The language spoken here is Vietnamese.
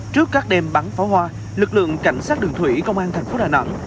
trước các đêm bắn pháo hoa lực lượng cảnh sát đường thủy công an thành phố đà nẵng